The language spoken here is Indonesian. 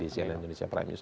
di cnn indonesia prime news